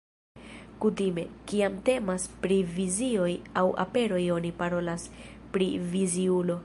Kutime, kiam temas pri vizioj aŭ aperoj oni parolas pri"viziulo".